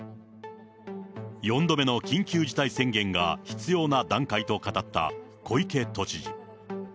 ４度目の緊急事態宣言が必要な段階と語った小池都知事。